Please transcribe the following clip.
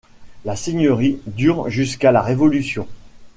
La seigneurie dure jusqu'à la Révolution.